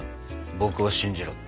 「僕を信じろ」って。